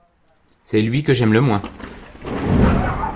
C’est lui que j’aime le moins.